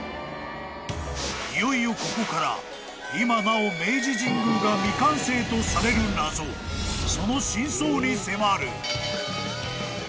［いよいよここから今なお明治神宮が未完成とされる謎その真相に迫る！］